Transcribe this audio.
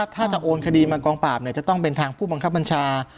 ถ้าจะโอนคดีมากองปราบจะต้องเป็นทางผู้บังคับบัญชา